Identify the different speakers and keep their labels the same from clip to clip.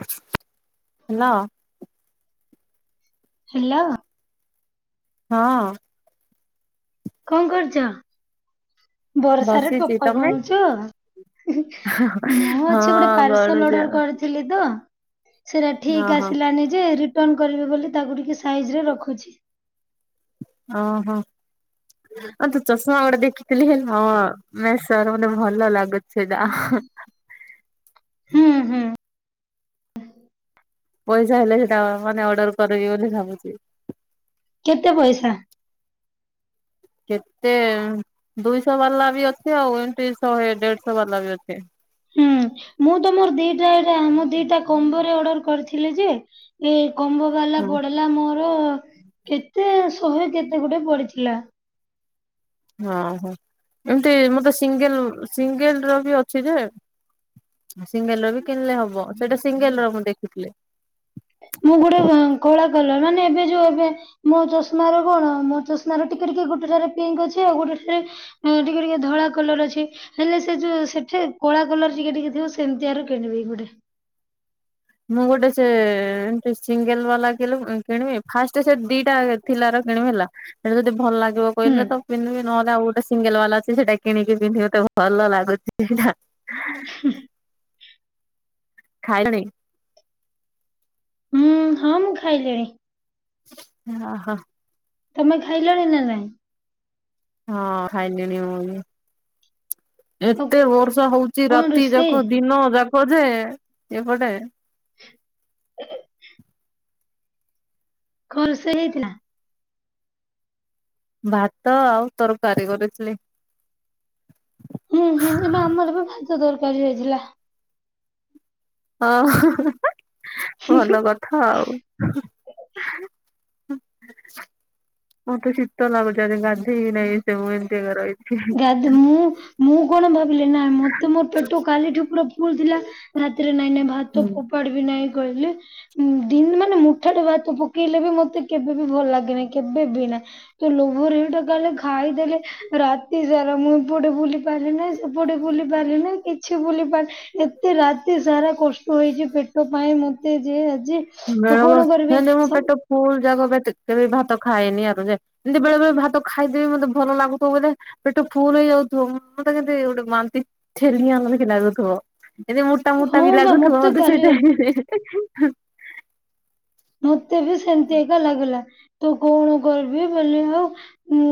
Speaker 1: Hello.
Speaker 2: Hello.
Speaker 1: ହଁଅ।
Speaker 2: କଣ କରୁଚ ବରଷା ରେ
Speaker 1: ବସିଛି
Speaker 2: ଟୋପ
Speaker 1: ତମେ
Speaker 2: ଗଣୁଚ? ମୁଁ
Speaker 1: ହଁ
Speaker 2: ଅଛି ଗୋଟେ ପାର୍ସଲ
Speaker 1: ଗଣୁଛ
Speaker 2: ଅର୍ଡର କରିଥି ଥିଲି ତ ସେଟା ଠିକ
Speaker 1: ଓହୋ
Speaker 2: ଆସିଲାନି ଯେ ରି ରିଟର୍ନ କରିବି ବୋଲି ତାକୁ ଟିକେ ସାଇଜ ରେ ରଖୁଚି।
Speaker 1: ଅ ହଁ। ଅ, ତୋ ତୁ ଚଷମା ଗୋଟେ ଦେଖିଥିଲି ହେଲେ ହଁ ମେସୋ ର ମତେ ଭଲ ଲାଗୁଥିଲା।
Speaker 2: ହୁଁ ହୁଁ।
Speaker 1: ପଇସା ହେଲେ ସେଟା ମାନେ ଅର୍ଡର କରିବି ବୋଲି ଭାବୁଚି।
Speaker 2: କେତେ ପଇସା?
Speaker 1: କେତେ ଦୁଇଶ ବାଲା ବି ଅଛି ଆଉ ଏମତି ଶହେ ଦେଢଶ ବାଲା ବି ଅଛି।
Speaker 2: ହୁଁ ମୁଁ ତ ମୋର ଦିଇଟା ଏଇଟା ମୁ ଦିଇଟା କମ୍ବୋରେ ଅର୍ଡର କରିଥିଲି ଯେ ଏ କମ୍ବୋବାଲା
Speaker 1: ହଁ
Speaker 2: ପଡିଲା ମୋର କେତେ ଶହେ କେତେ ଗୋଟେ ପଡିଥିଲା।
Speaker 1: ହଁ ହୋ ଏମିତି ମତେ ସିଙ୍ଗିଲ୍ ସିଙ୍ଗିଲ୍ ର ବି ଅଛି ଯେ। ସିଙ୍ଗେଲ ର ବି କିଣିଲେ ହବ ସେଇଟା ସିଙ୍ଗେଲ ର ମୁଁ ଦେଖିଥିଲି।
Speaker 2: ମୁଁ ଗୋଟେ କଳା କଲର ମାନେ ଏବେ ଯୋଉ ଏବେ ମୋ ଚଷମାର କଣ ମୋ ଚଷମା ର ଟିକେ ଟିକେ ଗୋଟେ ଠାରେ ପିଙ୍କ୍ ଅଛି ଆଉ ଗୋଟେ ଠାରେ ଅଁ ଟିକେ ଟିକେ ଧଳା କଲର ଅଛି। ହେଲେ ସେ ଯୋଉ ସେଠି କଳା କଲର ଟିକେ ଟିକେ ଥିବ ସେମିତି ଆରୁ କିଣିବି ଗୋଟେ।
Speaker 1: ମୁଁ ଗୋଟେ ସେ ଏଁ ସେ ସିଙ୍ଗେଲ ବାଲା କିଲିପ କିଣିବି ଫାଷ୍ଟ ସେ ଦିଇଟା ଥିଲାର କିଣିବି ହେଲା। ସେଟା ଯଦି ଭଲ ଲାଗିବ
Speaker 2: ହୁଁ
Speaker 1: କହିଲେ ତ ପିନ୍ଧିବି ନହେଲେ ଆଉ ଗୋଟେ ସିଙ୍ଗେଲ ବାଲା ଅଛି ସେଟା କିଣିକି ପିନ୍ଧି ମୋତେ ଭଲ ଲାଗୁଛି ସେଇଟା।
Speaker 2: [inaudible]
Speaker 1: ଖାଇଲଣି?
Speaker 2: ହୁଁ ହଁ ମୁଁ ଖାଇଲିଣି।
Speaker 1: ଓ ହୋ।
Speaker 2: ତମେ ଖାଇଲଣି ନା ନାଇଁ?
Speaker 1: ହଁ ଖାଇଲିଣି ମୁଁ ବି।
Speaker 2: ଆଉ
Speaker 1: ଏତେ ବର୍ଷା ହଉଚି
Speaker 2: କଣ
Speaker 1: ରାତି
Speaker 2: ରୋଷେଇ
Speaker 1: ଯାକ ଦିନ ଯାକ ଯେ ଏପଟେ।
Speaker 2: [inaudible] କଣ ରୋଷେଇ ହେଇଥିଲା?
Speaker 1: ଭାତ ଆଉ ତରକାରୀ କରିଥିଲି।
Speaker 2: ଉଁ ହୁଁ ଏବେ ଆମର ବି ଭାତ ତରକାରୀ ହେଇଥିଲା।
Speaker 1: ଓ ହୋ ଭଲ କ ହୋଉ ଉଁ ମତେ ଶୀତ ଲାଗୁ ଯଦି ଗାଧେଇ ବିି ନାହିଁ ସେ ମୁଁ ଏମିତିକା ରହିଛି।
Speaker 2: ଗାଧେ ମୁଁ ମୁଁ କଣ ଭାବିଲି ନାଇଁ ମତେ ମୋର ପେଟ କାଲିଠୁ ପୁରା ଫୁଲ୍ ଥିଲା ରାତି ନାଇଁ ନାଇଁ ଭାତ ଫୋପାଡି ବି ନାଇଁ କହିଲେ ମ୍ ଦିନ ମାନେ ମୁଠା ଟେ ଭାତ ପକେଇଲେ ବି ମତେ କେବେବି ଭଲ ଲାଗେନାଇ କେବେ ବି ନାଇ? ତ ଲୋଭରେ ହେଇଟା କାଲି ଖାଇଦେଲି ରା ତି ସାରା ମୁଁ ଏପଟେ ବୁଲି ପାରେନାଇଁ ସେପଟେ ବୁଲି ପାରିନି କିଛି ବୁଲି ପାରି ଏତେ ରାତି ସାରା କଷ୍ଟ ହେଇଛି ପେଟ ପାଇଁ ମତେ ଯେ ଆଜି। ତ
Speaker 1: ନାଁ
Speaker 2: କଣ କରିବି
Speaker 1: ବସିସାଇନେ ମୋ
Speaker 2: ସବୁ
Speaker 1: ପେଟ ଫୁଲ୍ ଯାକ କେତେ କେବେ ବି ଭାତ ଖାଏନି ଆରୁ ଯାଏ। ଏମିତି ବେଳେ ବେଳେ ଭାତ ଖାଇଦେବି ମୋତେ ଭଲ ଲାଗୁଥିବ ବୋଧେ। ପେଟ ଫୁଲ୍ ହେଇଯାଉଥିବ ମତେ କେମତି ଗୋଟେ ବାନ୍ତି ଠେଲିଆଣୁଖି ଲାଗୁଥିବ। ଏତି ମୋଟା ମୋଟା
Speaker 2: ହଁ
Speaker 1: ବି
Speaker 2: ବା
Speaker 1: ଲାଗୁଥିବ ମତେ ସେଇ
Speaker 2: କାଲି
Speaker 1: ଟାଇମ୍ ରେ।
Speaker 2: ମତେ ବି ସେମିତି ଏକା ଲାଗିଲା ତ କଣ କରିବି ବୋଲି ଆଉ ମୁ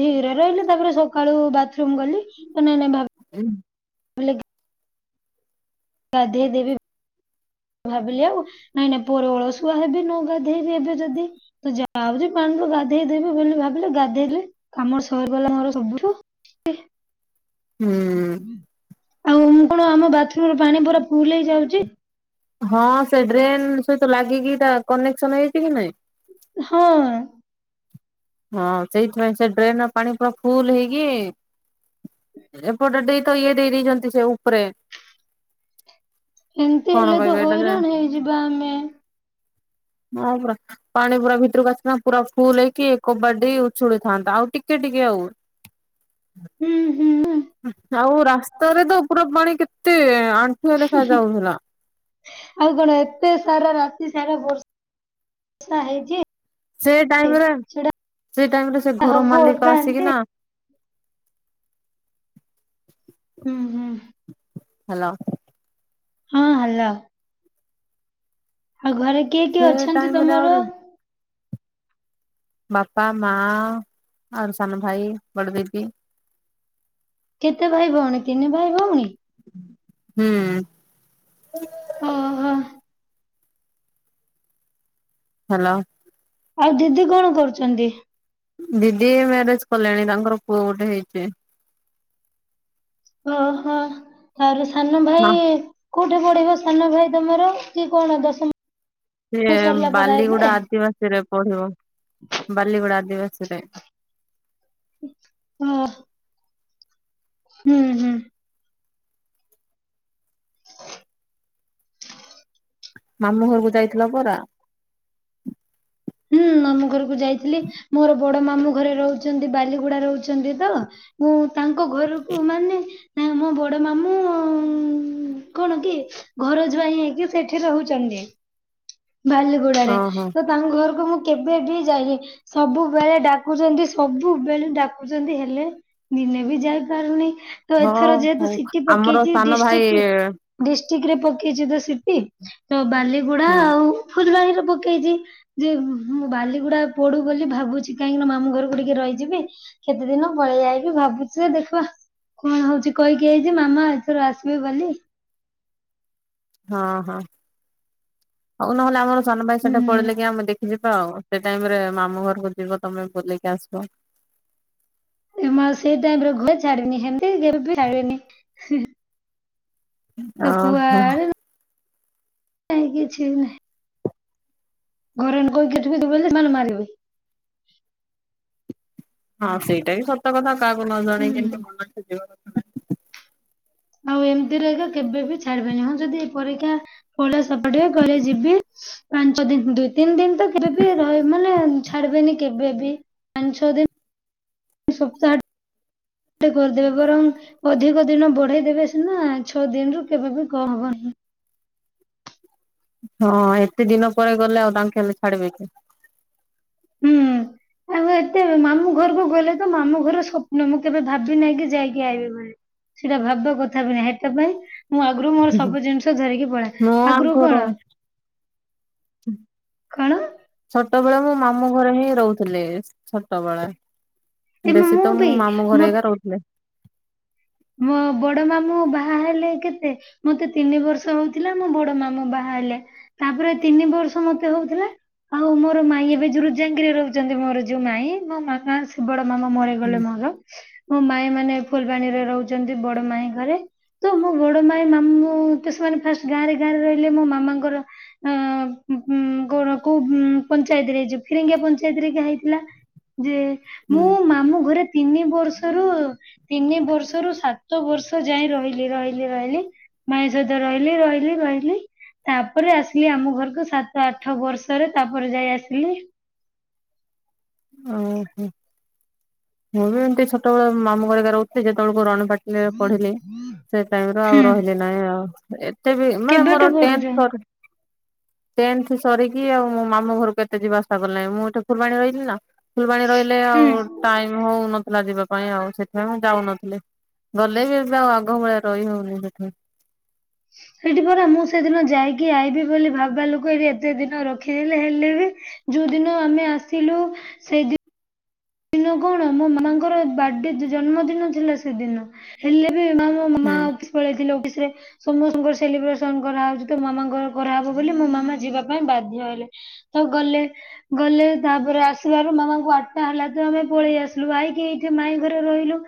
Speaker 2: ଧିରେ ରହିଲି ତାପରେ ସକାଳୁ ବାଥରୁମ ଗଲି ତ ନାଇଁ ନାଇଁ ଭାବ
Speaker 1: [inaudible]
Speaker 2: ଗାଧେଇଦେବି। ଭାବିଲି ଆଉ ନାଇଁ ନାଇଁ ପରେ ଅଳସୁଆ ହେବି ନ ଗାଧେଇ ଏବେ ଯଦି। ତ ଯାଉଛି ପାଣିରୁୁ ଗାଧେଇ ଦେବି ବୋଲି ଭାବିଲେ ଗାଧେଇଲି ଆମର ସହର ବାଲାଙ୍କର ସବୁଠୁ
Speaker 1: ହୁଁ।
Speaker 2: ଆଉ ମୁଁ କଣ ଆମ ବାଥରୁମରେ ପାଣି ପୁରା ଫୁଲ୍ ହେଇଯାଉଛି।
Speaker 1: ହଁ ସେ ଡ୍ରେନ୍ ସହିତ ଲାଗିକି ତା କନେକ୍ସନ ହେଇଛି କି ନାଇଁ?
Speaker 2: ହଁ।
Speaker 1: ହଁ ସେଇଥିପାଇଁ ସେ ଡ୍ରେନ ର ପାଣି ପୁରା ଫୁଲ୍ ହେଇକି ଏପଟ ଦେଇ ତ ଇଏ ଦେଇ ଦେଇଛନ୍ତି ସେ ଉପରେ।
Speaker 2: ହେମିତି
Speaker 1: କଣ
Speaker 2: ହେଲେ ତ
Speaker 1: କହିବେ ଏଇଟା ଯେ
Speaker 2: ହଇରାଣ ହେଇଯିବା ଆମେ।
Speaker 1: ହଁ ପୁରା ପାଣି ପୁରା ଭିତରକୁ ଆସି ନା ପୁରା ଫୁଲ ହେଇକି। କବାଡି ଉଛୁଳିଥାନ୍ତା ଆଉ ଟିକେ ଟିକେ ଆଉ।
Speaker 2: ହୁଁ, ହୁଁଁ।
Speaker 1: ଆଉ ରାସ୍ତାରେ ତ ପୁରା ପାଣି କେତେ ଆଣ୍ଠୁ ହେ ଲେଖା ଯାଉଥିଲା।
Speaker 2: ଆଉ କଣ ଏତେ ସାରା ରାତି ସାରା ବର୍ଷା ବର୍ଷା ହେଇଛି।
Speaker 1: ସେ ଟାଇମରେ
Speaker 2: ସେଟା
Speaker 1: ସେଇ ଟାଇମ ରେ ସେ ଘର
Speaker 2: ହବ
Speaker 1: ମାଲିକ
Speaker 2: ଏକା
Speaker 1: ଆସିକି
Speaker 2: ଏମତି
Speaker 1: ନା [inaudible]
Speaker 2: ହୁଁ, ହୁଁ।
Speaker 1: ହ୍ୟାଲୋ।
Speaker 2: ହଁ ହ୍ୟାଲୋ। ଆଉ ଘରେ କିଏ
Speaker 1: ସେ
Speaker 2: କିଏ ଅଛନ୍ତି
Speaker 1: ଟାଇମ ରେ
Speaker 2: ତମର?
Speaker 1: ଆହୁରି ବାପା, ମା ଆଉ ସାନ ଭାଇ, ବଡଦିଦି
Speaker 2: କେତେ ଭାଇ ଭଉଣୀ ତିନି ଭାଇ ଭଉଣୀ?
Speaker 1: ହୁଁ।
Speaker 2: ଓ ହୋ।
Speaker 1: ହ୍ୟାଲୋ।
Speaker 2: ଆଉ ଦିଦି କଣ କରୁଛନ୍ତି?
Speaker 1: ଦିଦି ମ୍ୟାରେଜ କଲେଣି ତାଙ୍କର ପୁଅ ଗୋଟେ ହେଇଛି।
Speaker 2: ଓହୋ ଆର ସାନ
Speaker 1: ମା
Speaker 2: ଭାଇ କୋଉଠି ପଢିବ ସାନ ଭାଇ ତମର ସିଏ କଣ ଦଶମ
Speaker 1: ସିଏ
Speaker 2: ସରିଲା ପରେ
Speaker 1: ବାଲିଗୁଡା
Speaker 2: ଏବେ?
Speaker 1: ଆଦିବାସୀରେ ପଢିବ ବାଲିଗୁଡା ଆଦିବାସୀ ରେ।
Speaker 2: ହଁ। ହୁଁ ହୁଁ।
Speaker 1: ମାମଁ ଘରକୁ ଯାଇଥିଲ ପରା?
Speaker 2: ହୁଁ ମାମୁ ଘରକୁ ଯାଇଥିଲି ମୋର ବଡ ମାମୁଁ ଘରେ ରହୁଛନ୍ତି ବାଲିଗୁଡା ରହୁଛନ୍ତି ତ। ମୁଁ ତାଙ୍କ ଘରକୁ ମାନେ ଏଁ ମୋ ବଡ ମାମୁଁ କଣ କି ଘରଜ୍ୱାଇଁ ହେଇକି ସେଠି ରହୁଛନ୍ତି ବାଲି ଗୁଡ଼ାରେ
Speaker 1: ଓହୋ
Speaker 2: ତ ତାଙ୍କ ଘରକୁ ମୁଁ କେବେ ବି ଯାଇନି ସବୁବେଳେ ଡାକୁଛନ୍ତି ସବୁବେଳେ ଡାକୁଛନ୍ତି ହେଲେ ଦିନେ ବି ଯାଇପାରୁନି ତ
Speaker 1: ହଁ
Speaker 2: ଏଥର ଯେହେତୁ
Speaker 1: ହଉ
Speaker 2: ସି ଟି
Speaker 1: ଆମର
Speaker 2: ପକେଇଛି
Speaker 1: ସାନ ଭାଇ
Speaker 2: ଡିଷ୍ଟ୍ରିକୁ ଡିଷ୍ଟ୍ରିକ୍ଟ ରେ ପକେଇଛି ତ ସିଟି ତ ବାଲିଗୁଡା
Speaker 1: ହୁଁ
Speaker 2: ଆଉ ଫୁଲବାଣୀରେ ପକେଇଛି। ଯେ ମୁଁ ବାଲିଗୁଡା ପଡୁ ବୋଲି ଭାବୁଛି କାହିଁକି ନା ମାମୁ ଘରକୁ ଟିକେ ରହିଯିବି। କେତେ ଦିନ ପଳେଇ ଯାଇବି ଭାବୁଛି ଯେ ଦେଖିବା। କଣ ହଉଚି କହିକି ଆଇଚି ମାମା ଏଥର ଆସିବେ ବୋଲି।
Speaker 1: ହଁ ହଁ ହଉ ନହେଲେ ଆମର ସାନ ଭାଇ ସେଠେ ପଳେଇଲେ କି ଆମେ ଦେଖ ଯିବା ଆଉ ସେ ଟାଇମ ରେ ମାମୁ ଘରକୁ ଯିବ ତମେ ବୁଲିକି ଆସିବ।
Speaker 2: ଏ ମା ସେଇ ଟାଇମ ରେ ଘୁ ଛାଡିନି ହେମିତି କେବେ ବି ଛାଡିନି। ସେ
Speaker 1: ଓହୋ
Speaker 2: କୁଆଳେ କାହିଁ କିଛି ବି ନାହିଁ। ଘରେ [unintelligible] ସେମାନେ ମାରିବେ।
Speaker 1: ହଁ ସେଇଟା ବି ସତ କଥା କାହାକୁ ନ ଜଣେଇ
Speaker 2: ହୁଁ
Speaker 1: କେମିତି ମନକୁ ଯିବା କଥା
Speaker 2: ଆଉ ଏମିତିରେ ଏକା କେବେ ବି ଛାଡିବେନି ହଁ ଯଦି ଏ ପରୀକ୍ଷା ପଡ଼େ ସେପଟେ ଗରେ ଯିବି ପାଞ୍ଚ ଦିନ ଦୁଇ ତିନି ଦିନ ତ କେବେବି ରହ ମାନେ ଛାଡିବେନି କେବେବି। ପାଞ୍ଚ ଛଅ ଦିନ ସପ୍ତାହ ଟେ କରିଦେବେ ବରଂ ଅଧିକ ଦିନ ବଢେଇ ଦେବେ ସିନା ଛଅ ଦିନରୁୁ କେବେବି କଣ ହବନି‌।
Speaker 1: ହଁ ଏତେ ଦିନ ପରେ ଗଲେ ଆଉ ତାଙ୍କେ ହେଲେ ଛାଡିବେ କି?
Speaker 2: ହୁଁ। ଆମେ ଏତେ ମାମୁଁ ଘରକୁ ଗଲେ ତ ମାମୁ ଘର ସ୍ୱପ୍ନ ମୁଁ କେବେ ଭାବି ନାହିଁ କି ଯାଇକି ଆଇିବି ବୋଲି। ସେଟା ଭାବିବା କଥା ବି ନାହିଁ କେବେ। ମୁଁ ଆଗୁରୁ ମୋର ସବୁ ଜିନିଷ ଧରିକି ପଳାଏ
Speaker 1: ମୁଁ
Speaker 2: ଆଗୁରୁ
Speaker 1: ଆଗରୁ
Speaker 2: କଣ? କଣ?
Speaker 1: ଛୋଟବେଳେ ମୋ ମାମୁଁ ଘରେ ହିଁ ରହୁଥିଲି ଛୋଟବେଳେ।
Speaker 2: ଏ
Speaker 1: ବେଶୀ ତ
Speaker 2: ବି
Speaker 1: ମୁଁ ମାମୁ ଘରେ
Speaker 2: ମତେ
Speaker 1: ଏଗା ରହୁଥିଲେ।
Speaker 2: ମୋ ବଡ ମାମୁଁ ବାହା ହେଲେ କେତେ ମୋତେ ତିନି ବର୍ଷ ହଉଥିଲା ମୋ ବଡ ମାମୁଁ ବାହା ହେଲେ। ତାପରେ ତିନି ବର୍ଷ ମତେ ହଉଥିଲା। ଆଉ ମୋର ମାଇଁ ଏବେ ଯୋରୁଜାଙ୍ଗିରେ ରହୁଛନ୍ତି ମୋର ଯୋଉ ମାଇ ମୋ ମାମା ବଡ ମାମା ମରେ ଗଲେ ମୋର ମୋ ମାଇଁ ମାନେ ଫୁଲବାଣୀରେ ରହୁଛନ୍ତି ବଡ ମାଇଁ ଘରେ। ତ ମୋ ବଡ ମାଇଁ ମାମୁଁ ତ ସେମାନେ ଫାଷ୍ଟ ଗାଁରେ ଗାଁରେ ରହିଲେ ମୋ ମାମାଙ୍କର ଅଁ ଉ ଉ ଗୋଣ କୁ ଉଁ ପଞ୍ଚାୟତରେ ହେଇ ଯ ଫିରିଙ୍ଗିଆ ପଞ୍ଚାୟତରେ କିହା ହେଇଥିଲା। ଯେ
Speaker 1: ହୁଁ
Speaker 2: ମୁଁ ମାମୁଁ ଘରେ ତିନି ବର୍ଷରୁ ତିନି ବର୍ଷରୁ ଶୁ ସାତ ବର୍ଷ ଯାଏ ରହିଲି ରହିଲି ରହିଲି ମାଇଁ ସହ ରହିଲି ରହିଲି ରହିଲି। ତାପରେ ଆସିଲି ଆମ ଘରକୁ ସାତ ଆଠ ବର୍ଷରେ ତାପରେ ଯାଇ ଆସିଲି।
Speaker 1: ଓହୋ! ମୁଁ ବି ଏମତି ଛୋଟବେଳେ ମାମୁଁ କରିକ ରହୁଥିଲି ଯେତେବେଳକୁ ରଣପଟ ପଢିଲି। ସେ ଟାଇମରେ ଆଉ
Speaker 2: ହୁଁ
Speaker 1: ରହିଲି ନାହିଁ। ଆଉ ଏତେ ବି ମାନେ
Speaker 2: କେବେଠୁ
Speaker 1: ମୋର
Speaker 2: ପଢୁଛ
Speaker 1: ଟେନ୍ ପରେ ଟେନ୍ଥ ସରିକି ଆଉ ମୋ ମାମୁଁ ଘରକୁ କେତେ ଯିବା ଆସା କଲାଣି ମୁଁ ଏଠି ଫୁଲବାଣୀ ରହିଲି ନା। ଫୁଲବାଣୀ ରହିଲେ
Speaker 2: ହୁଁ।
Speaker 1: ଆଉ ଟାଇମ ହଉନଥିଲା ଯିବା ପାଇଁ ଆଉ ସେଥିପାଇଁ ମୁଁ ଯାଉନଥିଲି। ଗଲେ ବି ଏବେ ଆଉ ଆଗ ଭଳିଆ ରହି ହଉନି ସେଠି।
Speaker 2: ସେଇଠି ପରା ମୁଁ ସେଦିନ ଯାଇକି ଆଇବି ବୋଲି ଭାବ ଲୋକ ଏଇଠି ଏତେ ଦିନ ରଖିଦେଲେ ହେଲେ ବି ଯୋଉ ଦିନ ଆମେ ଆସିଲୁ। ସେଇଦିନ ଦିନ କଣ ମୋ ମାଙ୍କର ବାର୍ଥଡେ ଜନ୍ମ ଦିନ ଥିଲା। ସେଦିନ ହେଲେ ବି ମା
Speaker 1: ହୁଁ
Speaker 2: ମାଙ୍କ ପଳେଇଥିଲେ ଅଫିସ ରେ। ସମସ୍ତଙ୍କର ସେଲିବ୍ରେସନ କରାହେଉଛି ତ ମାମାଙ୍କର କରାହେବ ବୋଲି ମୋ ମାମା ଯିବା ପାଇଁ ବାଧ୍ୟ ହେଲେ। ତ ଗଲେ ଗଲେ ତାପରେ ଆସିବାର ମାମାଙ୍କୁ ଆଠ ଟା ହେଲା। ଆମେ ପଳେଇ ଆସିଲୁ ଆଇକି ଏଇଠି ମାଇଁ ଘରେ ରହିଲୁ।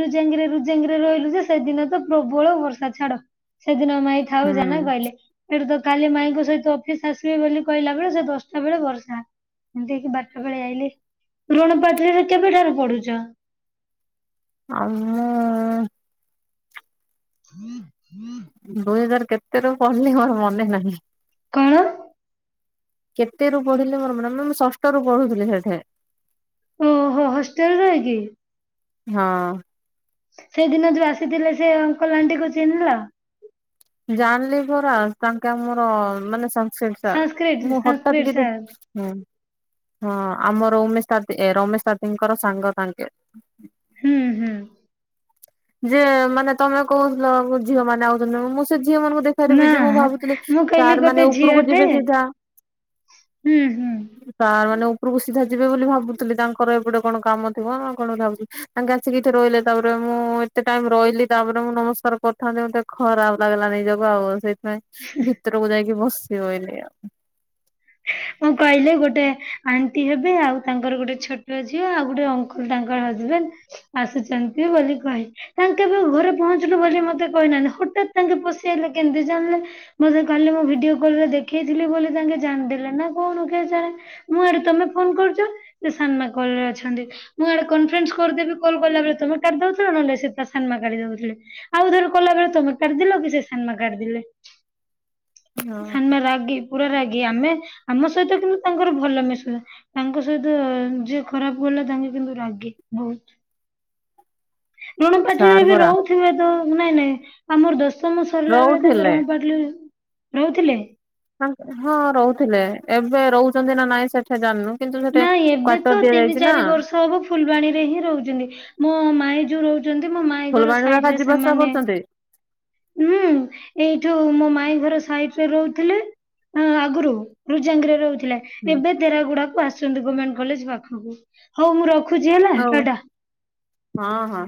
Speaker 2: ରୁଜାଙ୍ଗିରେ ରୁଜାଙ୍ଗିରେ ରହିଲୁ ଯେ ସେଦିନ ତ ପ୍ରବଳ ବର୍ଷା ଛାଡ ସେଦିନ ଆମ ଆଇ ଥାଉ ଜାନ
Speaker 1: ହୁଁ
Speaker 2: କହିଲେ। ଏଥିତ କାଲି ମାଇଙ୍କ ସହିତ ଅଫିସ ଆସିବି ବୋଲି କହିଲା ବେଳେ ସେ ଦଶଟା ବେଳେ ବର୍ଷା। ଏମିତି କି ବାରଟା ବେଳେ ଆଇଲେ ଋଣ ପାଟ୍ରିରେ କେବେଠାରୁ ପଡୁଛ?
Speaker 1: ଅ ମୁଁ
Speaker 2: ହୁଁ ହୁଁ [unintelligible]
Speaker 1: ଦୁଇ ହଜାର କେତେ ର ପଡ଼ିଲି ମୋର ମନେ ନାହିଁ?
Speaker 2: କଣ?
Speaker 1: କେତେ ରୁ ପଢିଲେ ମୋର ମୋର [unintelligible] ମୁଁ ଷଷ୍ଠ ରରୁ ପଢୁଥିଲି ସେଠେ।
Speaker 2: ଓହୋ! ହଷ୍ଟେଲ ରହିକିି।
Speaker 1: ହଁ।
Speaker 2: ସେଦିନ ଯୋଉ ଆସିଥିଲେ ସେ ଅଙ୍କଲ ଆଣ୍ଟିକୁ ଚିହ୍ନିଲ।
Speaker 1: ଜାଣିଲି ପରା ତାଙ୍କେ ମୋର ମାନେ ସଂଶ ସାର୍
Speaker 2: ସାଂସ୍କ୍ରିଟ
Speaker 1: ମୁଁ ହଠାତ୍
Speaker 2: ସାଂସ୍କ୍ରିଟ
Speaker 1: କି
Speaker 2: ସାର୍
Speaker 1: ଦେଖି। ହୁଁ, ହଁ ଆମ ରମେଶ [unintelligible] ରମେଶ ତିତୀଙ୍କର ସାଙ୍ଗ ତାଙ୍କେ।
Speaker 2: ହୁଁ ହୁଁ।
Speaker 1: ଯେ ମାନେ ତମେ କହୁଥିଲ ଝିଅ ମାନେ ଆଉଛନ୍ତି ମୁଁ ସେ ଝିଅ ମାନଙ୍କୁ ଦେଖି। ବି
Speaker 2: ନା
Speaker 1: ଯେ ମୁଁ ଭାବୁଥିଲି
Speaker 2: ମୁଁ କହିଲି
Speaker 1: ସାର୍ ମାନେ
Speaker 2: ଗୋଟେ
Speaker 1: ଉପରକୁ
Speaker 2: ଝିଅଟେ
Speaker 1: ଯିବେ ସିଧା
Speaker 2: ହୁଁ ହୁଁ
Speaker 1: [unintelligible] ତ ମାନେ ଉପରକୁ ସିଧା ଯିବେ ବୋଲି ଭାବୁଥିଲେ ତାଙ୍କର ଏପଟେ କଣ କାମ ଥିବ ନା କଣ ଭାବୁଛି? ତାଙ୍କେ ଆସିକିଠି ରହିଲେ। ତାପରେ ମୁଁ କେତେ ଟାଇମ ରହିଲି ତାପରେ ମୁଁ ନମସ୍କାର କରିଥାନ୍ତି ମୋତେ ଖରାପ ଲାଗିଲାାନ ଯୋଗୁ ଆଉ ସେ? ଭିତରକୁ ଯାଇକି ବସି [unintelligible] ଆଉ।
Speaker 2: ମୁଁ କହିଲେ ଗୋଟେ ଆଣ୍ଟି ହେବେ ଆଉ ତାଙ୍କର ଗୋଟେ ଛୋଟ ଝିଅ ଆଉ ଗୋଟେ ଅ ତାଙ୍କର ହଜବେଣ୍ଡ ଆସୁଛନ୍ତି ବୋଲି କହି ତାଙ୍କେ ବି ଘରେ ପହଞ୍ଚିଲୁ ବୋଲି ମତେ କହିନାହାନ୍ତି ହଠାତ୍ ତାଙ୍କେ ପଶି ଆଲେ କେମିତି ଜାଣିଲେ ମତେ କାଲି ମୁଁ ଭିଡିଓ କଲରେ ଦେଖେଇଥିଲି ବୋଲି ତାଙ୍କେ ଜାଣିଦେଲେ ନା କଣ କେଜାଣି। ମୁଁ ଆଡେ ତମେ ଫୋନ କରୁଛ ସେ ସାନମା କଲରେ ଅଛନ୍ତି। ମୁଁ ଆଡେ କନଫରେନ୍ସ କରିଦବି କଲ୍ କଲା ବେଳେ ତମେ କାଟି ଦଉଥିଲ ନହେଲେ ସେ ତା ସାନମା କାଟି ଦଉଥିଲେ। ଆଉ ଥରେ କଲା ବେଳେ ତମେ କାଟିଦେଲ କି ସେ ସାନମା କାଟିଦେଲେ ସାନମା ରାଗି ପୁରା ରାଗି ଆମେ ଆମ ସହିତ କିନ୍ତୁ ତାଙ୍କର ଭଲ ମିସ ତାଙ୍କ ସହିତ ଯିଏ ଖରାପ ଗଲା ତାଙ୍କେ କିନ୍ତୁ ରାଗେ ବହୁତ ଋଣପଟିରେ
Speaker 1: ସାର୍
Speaker 2: ବି
Speaker 1: ପରା
Speaker 2: ରହୁଥିବେ ତ ନାଇଁ ନାଇଁ ଆମର [unintelligible] ତମ ସରିଲା ବେଳେ
Speaker 1: ରହୁଥିଲେ।
Speaker 2: ତାଙ୍କ [unintelligible] ରହୁଥିଲେ?
Speaker 1: ହଁ ରହୁଥିଲେ ଏବେ ରହୁଛନ୍ତି ନା ନାଇଁ ସେଠା ଜାଣିନୁ? କିନ୍ତୁ ସେଠି
Speaker 2: ନାଇ ଏବେ
Speaker 1: କ୍ଵାର୍ଟର
Speaker 2: ତ ତିନି
Speaker 1: ଦିଆଯାଇଛି ନା
Speaker 2: ଚାରି ବର୍ଷ ହବ ଫୁଲବାଣୀରେ ହିଁ ରହୁଛନ୍ତି, ମୋ ମାଇ ଯୋଉ ରହୁଛି ଚନ୍ତି ମୋ ମାଇ ଘର
Speaker 1: ଫୁଲବାଣୀ ବାଖା
Speaker 2: ସାଇଡ ରେ
Speaker 1: ଯିବା ଆସିବା
Speaker 2: ସେମାନେ
Speaker 1: କରୁଛନ୍ତି
Speaker 2: ହୁଁ ଏଇଠୁ ମୋ ମାଇଁ ଘର ସାଇଟ ରେ ରହୁଥିଲେ। ହଁ ଆଗରୁ ରୁଜାଙ୍ଗରରେ ରହୁଥିଲେ। ଏବେ ତେରାଗୁଡା କୁ ଆସନ୍ତି ଗମେଣ୍ଟ କଲେଜ ପାଖକୁ ହଉ ମୁଁ ରଖୁଛି ହେଲା
Speaker 1: ଆଉ
Speaker 2: ଟା।
Speaker 1: ହଁ ହଁ।